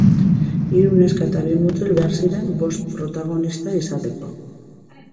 Hiru neska eta bi mutil behar ziren bost protagonista izateko.